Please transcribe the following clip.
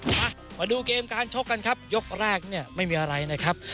มาดูเกมการชกกันครับยกแรกเนี่ยไม่มีอะไรนะครับ